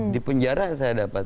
di penjara saya dapat